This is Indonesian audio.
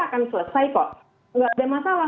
akan selesai kok nggak ada masalah